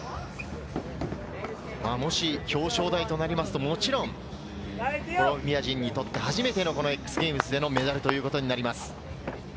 もし表彰台となりますと、もちろんコロンビア人にとって初めてのＸＧａｍｅｓでのメダルということになります。